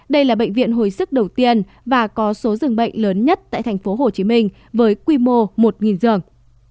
đây là bệnh viện hồi sức đầu tiên và có số dường bệnh lớn nhất tại tp hcm với quy mô một giường